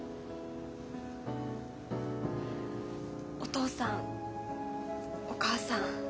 お父さんお母さん